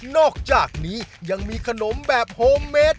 นอกจากนี้ยังมีขนมแบบโฮมเมด